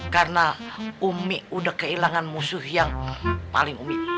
karena umi udah kehilangan musuh yang paling umi